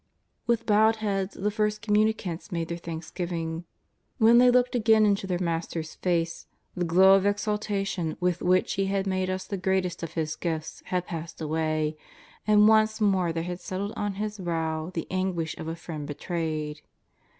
With bowed heads the first Communicants made their thanksgiving. When they looked again into their Master's face, the glow of exultation with which He had made us the greatest of His gifts had passed away, and once more there had settled on His brow the anguish of a friend betrayed.